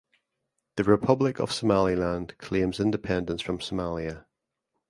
The Republic of Somaliland claims independence from Somalia.